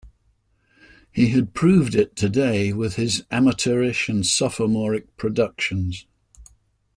He had proved it today, with his amateurish and sophomoric productions.